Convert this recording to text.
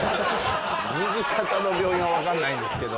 右肩の病院はわかんないんですけど。